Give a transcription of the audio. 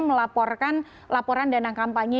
melaporkan laporan dana kampanye